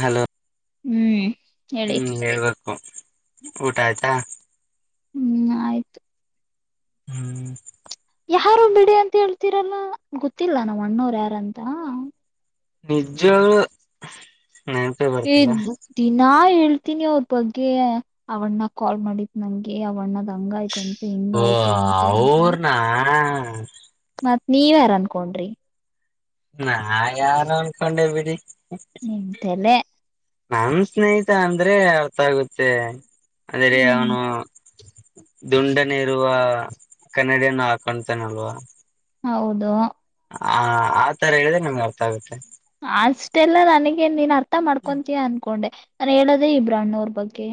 Hello ಹ್ಮ್ ಹೇಳಿ ಹ್ಮ್ ಹೇಳ್ಬೇಕು ಊಟಾ ಆಯ್ತಾ ಹ್ಮ್ ಆಯ್ತು ಹ್ಮ್ ಯಾರೋ ಬಿಡಿ ಅಂತ ಹೇಳ್ತೀರಲ್ಲಾ ಗೊತ್ತಿಲ್ಲಾ ನಮ್ಮ್ ಅಣ್ಣೋರ್ ಯಾರಂತ ಆ ನಿಜವಾಗ್ಲೂ ನೆನಪೇ ಏ ಬರ್ತಿಲ್ಲ ದಿನಾ ಹೇಳ್ ಹೇಳ್ತೀನಿ ಅವ್ರ ಬಗ್ಗೆ ಅವಣ್ಣ ಕಾಲ್ ಮಾಡಿತ್ ನಂಗೆ ಅವಣ್ಣ ಹಂಗಾಯ್ತಂತೆ ಓ ಹಿಂಗಾಯ್ತು ಅಂತೆ ಅಂತ. ಹಾ. ಮತ್ತ್ ನೀವ್ ಯಾರ್ ಅನ್ಕೊಂಡ್ರಿ. ನಾ ಯಾರು ಅನ್ಕೊಂಡೇ ಬಿಡಿ. ನಿಮ್ಮ್ ತೆಲೇ. ನನ್ ಸ್ನೇಹಿತ ಅಂದ್ರೆ ಅರ್ಥ ಆಗುತ್ತೆ. ಅದರೇ ಹ್ಮ್ ಅವನು. ದುಂಡನೇ ಇರುವ ಕನ್ನಡಿಯನ್ನು ಆಕಾಂತಾನಲ್ವ. ಹೌದು. ಹಾ ಆತರ ಹೇಳಿದ್ರೆ ನಂಗೆ ಅರ್ಥ ಆಗುತ್ತೆ. ಅಷ್ಟೆಲ್ಲ ನನಗೆನ್ ನೀನ್ ಅರ್ಥ ಮಾಡ್ಕೊಂತೀಯ ಅನ್ಕೊಂಡೆ. ನಾನು ಹೇಳೋದೇ ಇಬ್ಬರು ಅಣ್ಣೋರು ಬಗ್ಗೆ.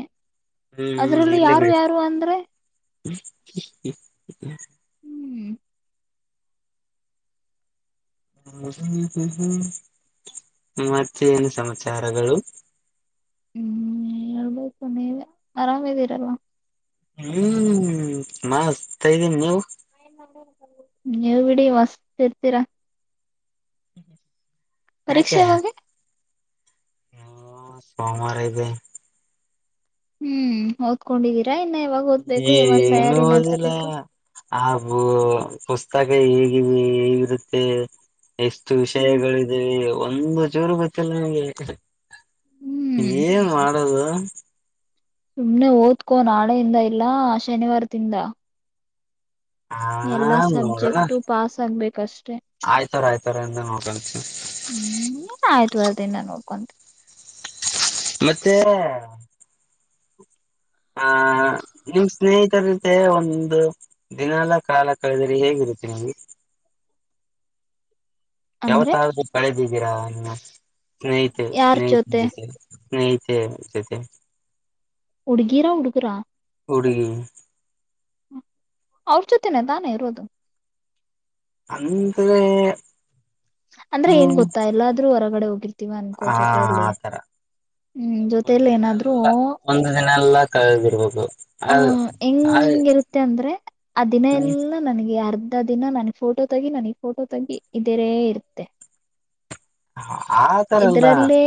ಹ್ಮ್ ಅದ್ರಲ್ಲೂ ಇರ್ಲಿ ಯಾರು ಬಿಡಿ ಯಾರು ಅಂದ್ರೇ. [inaudible] ಹೂ. ಹೂ ಹೂ ಉಹು ಮತ್ತೇ ಏನು ಸಮಾಚಾರಗಳು. ಹೂ ಹೇಳ್ಬೇಕು ನೀವೇ ಆರಾಮದಿರಲ್ವಾ. ಹೂ ಮಸ್ತ ಇದ್ದೀನಿ ನೀವು. ನೀವ್ ಬಿಡಿ ಮಸ್ತ್ ಇರ್ತೀರಾ. ಪರೀಕ್ಷೆ ಯಾವಗ. ಹೂ ಸೋಮವಾರ ಇದೆ. ಹೂ ಓದ್ಕೊಂಡಿದಿರ. ಇನ್ನ ಯಾವಾಗ ಓದ್ಬೇಕು ಯಾವಾಗ ತಯಾರಿ ನಡ್ಸ್ಬೇಕು ಆ ಬು ಪುಸ್ತಕ ಹೇಗಿದೆ ಹೇಗಿರುತ್ತೆ. ಎಷ್ಟು ಹ್ಮ್ ವಿಷಯಗಳಿದೆ. ಒಂದು ಚೂರು ಗೊತಿಲ್ಲ ನಂಗೆ. ಹ್ಮ್ ಏನು. ಮಾಡೋದು. ಸುಮ್ನೆ ಓದ್ಕೋ ನಾಳೆಯಿಂದ ಇಲ್ಲ ಶನಿವಾರದಿಂದ. ಆ ಎಲ್ಲಾ ನೋಡೋಣ ಸಬ್ಜೆಕ್ಟು ಪಾಸ್ ಆಗ್ಬೇಕಷ್ಟೆ ಆಯ್ತಾರ ಆಯ್ತಾರ ಅಂತ ನೋಡ್ಕೊಂತ ಹೂ ಏನ್ ಆಯ್ತಾರದಿನಾ ನೋಡ. ಕೊಂತ. ಮತ್ತೇ. ಆ ನಿಮ್ ಸ್ನೇಹಿತರ ಜತೆ ಒಂದು ದಿನಯಲ್ಲ ಕಾಲ ಕಳೆದರಿ ಹೇಗಿರುತ್ತೆ ನಿಂಗೆ. ಯಾವತ ಅಂದ್ರೆ ಆದ್ರು ಕಳೆದ ದಿರಾ ಇಲ್ಲಾ ಸ್ನೇಹಿತೆ ಸ್ನೇಹಿತನ್ ಜೊತೆ. ಸ್ನೇಹಿತೆ ಜತೆ. ಹುಡುಗೀರಾ ಹುಡುಗರಾ. ಹುಡುಗಿ ಅವ್ರ ಜೊತೆನೆೇ ತಾನೇ ಇರೋದು ಅಂದ್ರೆ ಅಂದ್ರೆ ಏನ್ ಹ್ಮ್ ಗೊತ್ತಾ ಎಲ್ಲಾದ್ರೂ ಹೊರಗಡೆ ಹೋಗಿರ್ತೀವ ಅನ್ಕೋ ಆ ಜೊತೆಯಲ್ಲಿ ಆತರ ಹೂ ಒಂದು ಜೊತೆಯಲ್ಲಿ ದಿನ ಏನಾದ್ರು ಎಲ್ಲ ಒಂದು ದಿನ ಎಲ್ಲ ಕಳೆದಿರ್ಬೇಕು ಅ ಆಹ ಹೆಂಗಿರುತ್ತೆ ಅಂದ್ರೆ ಆ ದಿನ ಎಲ್ಲ ನನ್ಗೆ ಅರ್ ದಿನ ನನ್ ಫೋಟೋ ತಗಿ ನನಗ್ ಫೋಟೋ ತಗಿ ಇದೇರೇ ಇರುತ್ತೆ ಆತರಲ್ಲ ಇದರಲ್ಲೇ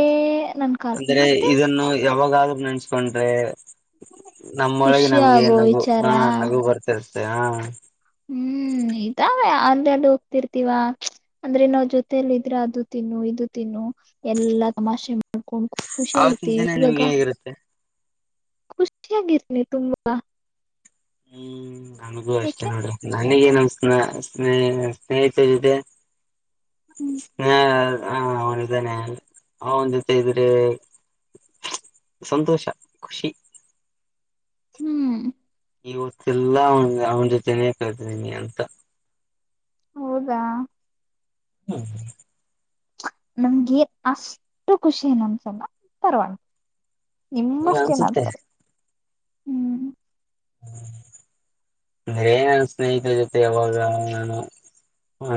ನನ್ನ ಕಾಲ ಅಂದ್ರೆ ಮತ್ತೆ ಇದನ್ನು ಯಾವಾಗಾದ ನೆಂಚ್ಕೊಂಡ್ರೆ ನಮ್ಮ ಒಳಗೆ ಖುಷಿ ನಮ್ಗೆ ಆಗೋ ನಗು ವಿಚಾರ ಹಾ ನಗು ಬರ್ತದೆ ಹಾ ಹ್ಮ್ ಇದಾವೆ ಅಂದ್ರೆ ಅಲ್ಲಿ ಹೋಗ್ತಿರ್ತಿವಾ ಅಂದ್ರೆ ನಾವ ಜೊತೆಯಲ್ಲಿ ಇದ್ರೆ ಅದು ತಿನ್ನು ಇದು ತಿನ್ನು ಎಲ್ಲಾ ತಮಾಷೆ ಮಾಡ್ಕೊಂಡ್ ಆವತ್ತಿನ ದಿನ ನಿಮ್ಗೆ ಹೇಗಿರುತ್ತೆ ಖುಷಿಯಾಗಿರ್ನಿ ತುಂಬಾ ಹ್ಮ್ ನಮಗೂ ಅಷ್ಟೇ ಯಾಕೆ ನೋಡ್ರಿ ನನಗೇನ ಅ ಸ್ನೇಹ ಸ್ನೇಹಿತರ ಜೊತೆ ಹ್ಮ್ ಹಾ ಹಾ ಅವನ ಇದಾನೆಂದು ಇದ್ರೆ ಸಂತೋಷ ಖುಷಿ ಹ್ಮ್ ಈ ಹೊತ್ತಲ್ಲಾ ಅವನ್ ಅವನ ಜೊತೆನೇ ಕಲ್ಧಿಡಿನಿ ಅಂತ ಹೌದಾ ಹ್ಮ ಹ್ಮ ನಮ್ಗೆ ಅಷ್ಟು ಖುಷಿನ್ನಂದ್ಸಲ ಪರವಾಗಿಲ್ಲ ಈಗ ನಿಮ್ಮಷ್ಟೇನ ಅನ್ಸುತ್ತೆ ಅನ್ಸಲ್ಲ ಹ್ಮ್ ಅಂದ್ರೆ ನನ್ ಸ್ನೇಹಿತರ ಜೊತೆ ಯಾವಾಗ ನಾನು ಹ್ಮ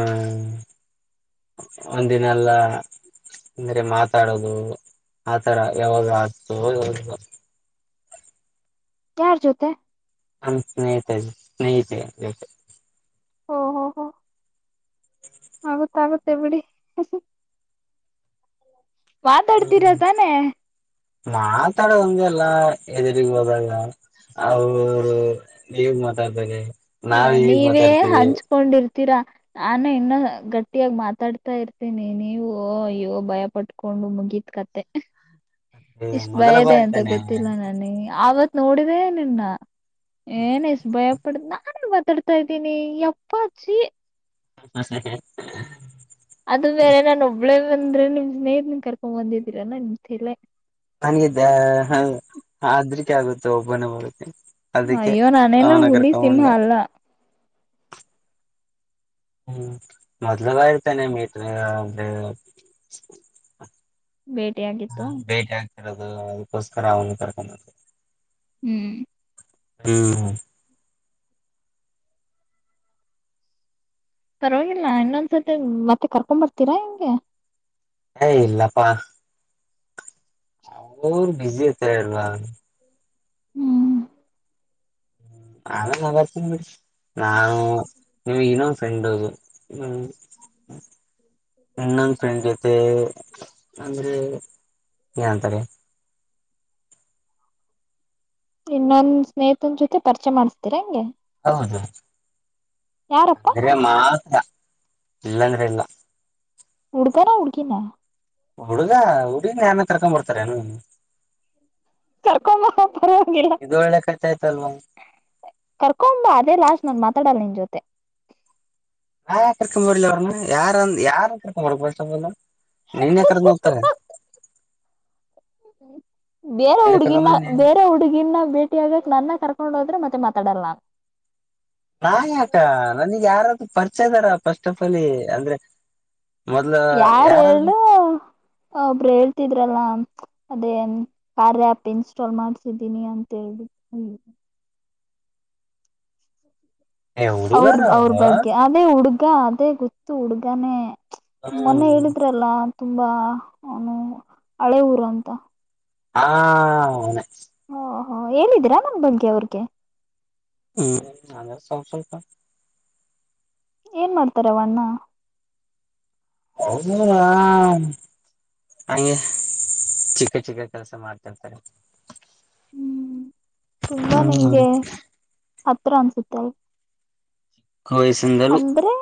ಒಂದಿನಲ್ಲ ಅಂದ್ರೆ ಮಾತಾಡೋದು ಆತರ ಯಾವಾಗ ಆತು ಯಾರ ಜೊತೆ ನಮ ಸ್ನೇಹಿತ ಸ್ನೇಹಿತೆ ಜೊತೆ ಓಹೋ ಹೋ ಆಗತ್ತ ಆಗುತ್ತೆ ಬಿಡಿ ಮಾತಾಡ್ತೀರ ತಾನೆ ಮಾತಾಡದಗೆಲ್ಲ ಹೆದುರಿಗ್ ಹೋದಾಗ ಅವರು ನೀಗ್ ಮಾತಾಡ್ತಾರೆ ಹ ನಾವ್ ಹೇಗ್ ನೀವೇ ಮಾತಾಡ್ತೀವಿ ಹಂಚ್ಕೊಂಡಿರ್ತೀ ತೀರಾ ನಾನು ಇನ್ನು ಗಟ್ಟಿಯಾಗ ಮಾತಾಡ್ತಾ ಇರ್ತೀನಿ ನೀವು ಅಯ್ಯೋ ಭಯ ಪಟ್ಕೊಂಡು ಮುಗೀತ್ ಕತೆ ಇಷ್ಟ ಮೊದಲ ಭಯದೆೇ ಬಾರಿ ಅಂತ ಗೊತ್ತಿಲ್ಲ ತಾನೆ ನನಗೆ ಆವತ್ತು ನೋಡಿದೆೇ ನಿನ್ನ ಎನಿಸ್ಟ ಬಯ್ ಪಡ್ನಾ ನಾಾನು ಮಾತಾಡ್ತಾ ಇದ್ದೀನಿ ಅಪ್ಪಾಜಿ ಹಾ ಹ ಹ ಅದು ಬೇರೆ ನಾನು ಒಬ್ಬಳೇ ಬಂದ್ರೆ ನಿಮ್ ಸ್ನೇಹಿತರನ್ನ ಕರ್ಕೊಂಡ್ ಬಂದಿದ್ದೀರ ನಮ್ ತಲೆ ನನಿದ್ದ ಅದ್ರಿಕ್ಕೆ ಆಗುತ್ತೆ ಒಬ್ಬನೇ ಬರುತ್ತೆ ಅದಕ್ಕೆ ಅಯ್ಯೋ ನಾನೇನ ಅವನ ಹುಲಿ ಸಿಂಹ ಕರ್ಕೊಂಡೆ ಅಲ್ಲ ಹ್ಮ್ ಮೊದ್ಲು ಬರಿ ತಾನೆ ಮೀಟ್ ಅಂದ್ರೆ ಭೇಟಿಯಾಗಿತ್ತು ಅಕ್ಕೋಸ್ಕರ ಆಗ ಕರಕ ಹ್ಮ್ ಹ್ಮ್ ಹ ಪರವಾಗಿಲ್ಲ ಇನ್ನೊಂದ್ಸತಿ ಮತ್ತೆ ಕರ್ಕೊ ಬರ್ತೀರಾ ಹೆಂಗೆ ಏ ಇಲ್ಲಪ್ಪಾ ಅವರು ಬಿಜಿ ಐತ ಅಲ್ವಾ ಹ್ಮ್ [unintelligible] ನಾವು ನಿಮಗೆ ಇನ್ನೊ ಫ್ರೆಂಡ್ ಅದು ಹ್ಮ್ ಇನ್ನೊಂದು ಫ್ರೆಂಡ್ ಜತೆ ಅಂದ್ರೆ ಏಂತಾರೆ ಇನ್ನನ್ ಸ್ನೇಹಿತನ್ ಜೊತೆ ಪರಿಚಯ ಮಾಡ್ಸ್ತೀರಾ ಹಂಗೆ ಹೌದು ಯಾರಪ್ಪಾ ಅಂದ್ರೆ ಮಾತ್ರ ಇಲ್ಲಾಂದ್ರೆ ಇಲ್ಲ ಹುಡುಗನ ಹುಡುಗಿನ. ಹುಡುಗ ಹುಡಗ ಯಾರ್ನಕರ್ಕೊ ಬರ್ತಾರನು ಕರ್ಕೊಂಬಾ ಪರವಾಗಿಲ್ಲ ಒಳ್ಳೆ ಕತೆ ಆಯ್ತಲ್ವಾ ಕರ್ಕೊಂಬಾ ಅದೇ ಲಾಸ್ ನನ್ ಮಾ ತಡನ್ ಜೊತೆ ಯಾ ಕರ್ಕ್ ಬರ್ಲ ಅವ್ರನು ಯಾರಂದ ಯಾರನ್ ಕರ್ಕೊಂಡ ಬರ್ಬಷ್ಟಲ್ಲ ನೀನ್ ಯ ಕರ್ದ ಹೋಗ್ತಾರೆ ಬೇರೆ ನಿನ್ನೆ ಕರ್ಕೊಂಡ್ ಹುಡ್ಗಿನ ಬಂದ್ ನೀನ್ ಬೇರೆ ಹುಡುಗಿನ ಭೇಟಿ ಆಗ್ಕ್ ನನ್ನ ಕರೆಕ್ ಕೊಂಡೋದ್ರೆ ಮತ್ತೆ ಮಾತಾಡಲ್ಲ ನಾ ಆಕ ನನಗ್ ಯಾರ ಪರಿಚಯ ಇದದಾರ ಫಸ್ಟ್ ಆಫ್ ಆಲ್ಲಿ ಅಂದ್ರೆ ಮೊದ್ಲು ಯಾರು ಯಾರಾದ್ರೂ ಹೇಳು ಒಬ್ರು ಹೇಳ್ತಿದ್ರಲ್ಲ ಅದೇ ಕಾರ್ ಆ್ಯಪ್ ಇನ್ಸ್ಟಾಲ್ ಮಾಡ್ಸಿದ್ದೀನಿ ಅಂತೇಳಿ ಏ ಅವ್ರ ಹುಡುಗಾರ ಅವರು ಅವ್ರ ಬಗ್ಗೆ ಅದೇ ಹುಡುಗ ಈಗ ಅದೇ ಗೊತ್ತು ಹುಡುಗಾನೇ ಮೊನ್ನೆ ಹ್ಮ್ ಹೇಳಿದ್ರಲ್ಲ ತುಂಬಾ ಅವನು ಹಳೆ ಊರು ಅಂತ ಹಾ ಹ ಹೇಳಿದ್ದೀರಾ ನನ್ ಬಗ್ಗೆ ಅವ್ರಗೆ ಹ್ಮ್ ಅ ಸ್ವಲ್ಪ ಸ್ವಲ್ಪ ಏನ್ ಮಾಡ್ತಾರವ ಅಣ್ಣ ಹಂಗೆ ಚಿಕ್ಕ ಚಿಕ್ಕ ಕೆಲಸ ಮಾಡ್ತಂತಾರೆ ಹ್ಮ್ ತುಂಬಾ ನಿಮ್ಗೆ ಹತ್ರ ಅನ್ಸುತ್ತೆ ವಯಸ್ಸಿಂದಲೂ ಅಂದ್ರೆ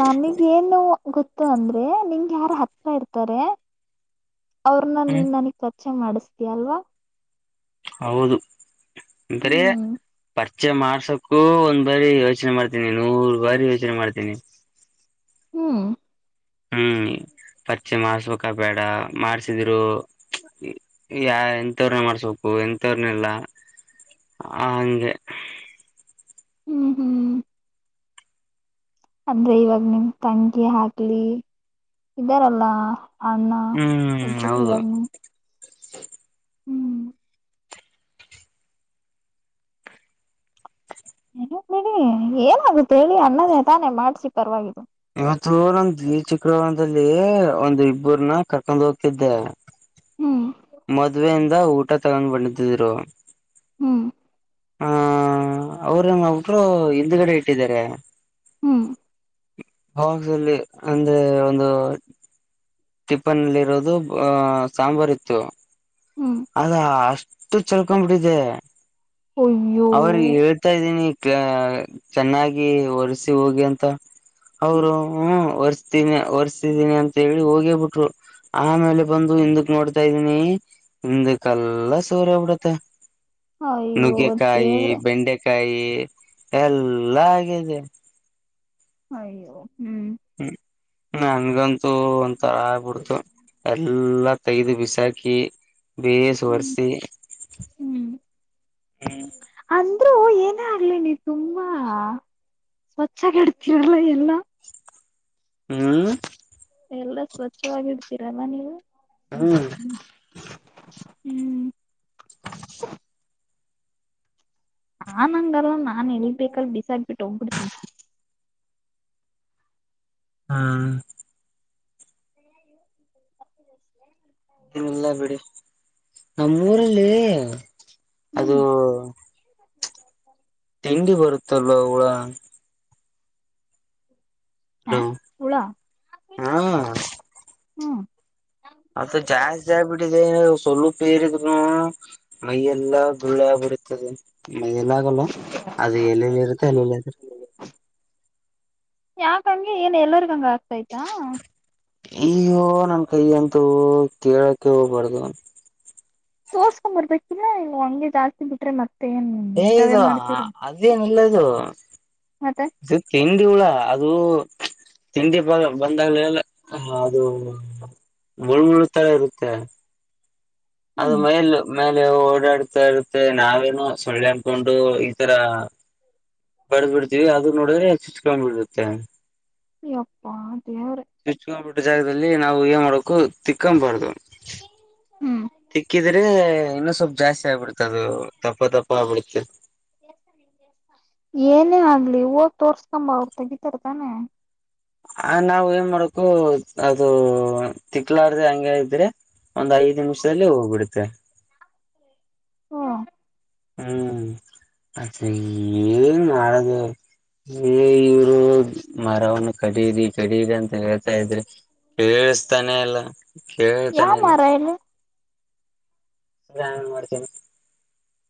ನಮಗೇನು ಗೊತ್ತು ಅಂದ್ರೆ ನಿಂಗ್ ಯಾರ ಹತ್ರ ಇರ್ತಾರೆ ಅವ್ರನ ಹ್ಮ್ ನೀನ್ಗ ಪರಿಚಯ ಮಾಡಿಸ್ತಿ ಅಲ್ವಾ ಹೌದು ಅಂತಾರೆ ಹ್ಮ್ ಪರಿಚಯ ಮಾಡ್ಸಕ್ಕೂ ಒಂದ್ ಬಾರಿ ಯೋಚನೆ ಮಾಡ್ತೀನಿ ನೂರ್ ಬಾರಿ ಯೋಚನೆ ಮಾಡ್ತೀನಿ ಹೂ ಹೂ ಪರಿಚಯ ಮಾಡಸ್ಬೇಕಾ ಬೇಡ ಮಾಡಸಿದ್ರು ಎಂತವ್ರನ ಮಾಡಸ್ಬೇಕು ಎಂತವ್ರನಿಲ್ಲ ಹಂಗೆ ಹೂ ಹೂ ಅಂದ್ರೆ ಇವಾಗ ನಿಮ ತಂಕಿ ಆಗ್ಲಿ ಇದ್ದಾರಲ್ಲ ಅಣ್ಣ ಹ್ಮ್ ಒಬರು ಇವ ಹೌದು [unintelligible] ಹೂ ಇರ್ಲಿಬಿಡಿ ಏನಾಗುತ್ತೆ ಹೇಳಿ ಅಣ್ಣದೇ ತಾನೆ ಮಾಡ್ಸಿ ಪರವಾಗಿಲಾ ಇವತ್ತು ನಮ ದ್ವಿಚಕ್ರ ವಾಹನದಲ್ಲಿ ಒಂದ್ ಇಬ್ಬರನ್ನ ಕರ್ಕೊಂಡ್ ಹೋಗ್ತಿದ್ದೆ ಹೂ ಮದ್ವೆಯಿಂದ ಊಟ ತಗೊಂಡ್ ಬಂದಿದ್ದಿದ್ರು ಹೂ ಹ ಅವರು ಒಬ್ರು ಹಿಂದುಗಡೆ ಇಟ್ಟಿದ್ದಾರೆ ಹೂ [unintelligible] ಅಂದ್ರೆ ಒಂದು ಟಿಫನ್ಲ್ಲಿ ಇರೋದು ಅ ಸಾಂಬಾರ್ ಇತ್ತು ಹ್ಮ್ ಅದಾ ಅಷ್ಟು ಚಲ್ಕೊಬಿಟ್ಟಿದೆೆ ಅಯ್ಯೋ ಅವ್ರಿಗೆ ಹೇಳ್ತಾ ಇದ್ದೀನಿ ಅ ಚೆನ್ನಾಗಿ ಒರ್ಸಿ ಹೋಗಿ ಅಂತ ಹ್ಮ್ ಅವರು ಒರ್ಸ್ತೀನಿ ಒರ್ಸ್ತಿದೀನಿ ಅಂತ ಹೇಳಿ ಹೋಗೇ ಬಿಟ್ರು ಆಮೇಲೆ ಬಂದು ಹಿಂದಕ್ ನೋಡ್ತಾದೀನಿ ಹಿಂದಕ್ಕೆಲ್ಲ ಸೋರೆ ಬಿಡುತೆ ಅಯ್ಯೊ ಕಾಯಿ ಬೆಂಡೆಕಾಯಿ ಎಲ್ಲಾ ಆಗಿದೆ ಅಯ್ಯೋ ಹ್ಮ್ ಹೂ ನನ್ಗಂತೂ ಒಂತರ ಆಗ್ಬಿಡ್ತು ಎಲ್ಲಾ ತಗದು ಬಿಸಾಕಿ ಬೇಸ ಸು ಹ್ಮ್ ವರ್ಸಿ ಹ್ಮ್ ಹೂ ಆದ್ರೂ ಏನೇ ಆಗ್ಲಿ ನೀ ತುಂಬಾ ಸ್ವಚ್ಛಗ ಇಡ್ತೀರಲ್ಲ ಎಲ್ಲ ಹೂ ಎಲ್ಲಾ ಸ್ವಚ್ಛವಾಗಿ [unintelligible] ಹೂ ಹ್ಮ್ ಹಾ ನಾನ್ ಹಂಗ ಅಲ್ಲಾ ನಾನ್ ಎಲ್ಬೇಕಲ್ ಬಿಸಾಕ್ಬಿಟ್ಟ ಹೋಗ್ಬಿಡ್ತೀಿ ಹಾ [unintelligible] ಇದೆಲ್ಲ ಬಿಡಿ ನಮ್ಮ ಊರಲ್ಲಿ ಅದು ಹ್ಮ್ [unintelligible] ತಿಂಡಿ ಬರುತ್ತಲ್ವ ಹೂಳ ಹ ಹ ಉಳ ಹ್ಮ್ ಅತ್ತ ಜಾಸ್ ಜ ಬಿಟ್ಟ ಸ ಪೇರಿದ್ೂ ಮೈಯ ಎಲ್ಲಾ ದುಳ್ಳೆ ಬರುತ್ತದೆ ಮ ಎಲ್ಲ ಆಗಲ್ಲ ಅದು ಎಲ್ಲೆಲ್ಲಿ ಇರುತ್ತೆ ಎಲ್ಲಲ್ಲಿ ಯಾಕಂಗಗೆ ಏನ್ ಎಲ್ಲರಿಗಂಗ ಆಗ್ತಾಯ್ತಾ ಅಯ್ಯೋ ನನ್ ಕೈ ಅಂತೂ ಕೇಳಕೆ ಹೋಗಬಾರ್ದು ಒ ತೋರ್ಸ್ಕೊ್ ಬರ್ಬೇಕಿಲ್ಲ ನೀ ಹಂಗೆ ಜಾಸ್ತಿ ಬಿಟ್ರೆ ಮರ್ ಏ ಇ ಅದೇನು ಹಲ್ಲದೋ ಮತ್ತೆ ಇದುಕ್ಕೆಂಡ ದ ಉಳ ಅದು ತಿಂಡಿ ಬ ಬಂದಾಗಲೆಲ್ಲ ಅದು ಉಳ್ಳ್ತರ ಇರುತ್ತೆ ಅದು ಹ್ಮ್ ಮೇ ಆಮೇಲೆ ಓಡಾಡ್ತಾ ಇರುತ್ತೆ ನಾವೇನು ಸೊಳ್ಳೆ ಅನ್ಕೊಂಡು ಈತರ ಬಡದ ಬಿಿಡ್ತೀವಿ ಅದ ನೋಡಿದ್ರೆಚ್ಚುಚ್ಕೊಂಡ್ಬಿಡುತ್ತೆ ಅಪ್ಪ ದೇವ್ರ ಲ್ಲಿ ನಾವು ಏನ್ ಮಾಡಕು ತಿಕ್ಕೊಬಾರ್ದು ಹ್ಮ್ ತಿಕ್ಕಿದ್ರೆ ಇನ್ನು ಸ್ವಲ್ಪ್ ಜಾಸ್ತಿ ಆಗ್ಬಿಡ್ತ ಅದು ತಪ್ಪ ತಪ್ಪ ಆಗ್ಬಿಡ್ತ ಓ ತೋರ್ಸ್ಕಂಬ ಅವ್ರು ತೆಗಿತಾರತಾನೆ ಆ ನಾವ್ ಏನ್ ಮಾಡಕು ಅದು ತಿಕ್ಲಾರ್ದ ಹಂಗಗೆ ಇದ್ರೆ ಒಂದ್ ಐದ್ ನಿಮಿಷದಲ್ಲಿ ಹೋಗ್ಬಿಡತ್ತೆ ಹ್ಮ ಹ್ಮ್ ಅತ್ತ ಏನ್ ಮಾಡ ಇವರು ಮರವನ್ನು ಕಡಿ ಕಡೀದ ಅಂತ ಹೇಳ ತ ಇದ್ರಿ ಕೇಳಸ್ತಾನೆ ಇಲ್ಲ ಯಾವ ಕೇಳ್ತಾನೆ ಇಲ್ಲ ಮರ ಹೇಳು ಸನ ಮಾಡ್ತೇನೆ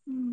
ಹ್ಮ್